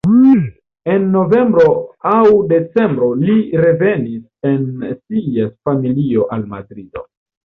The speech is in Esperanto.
En novembro aŭ decembro li revenis ĉe sia familio al Madrido.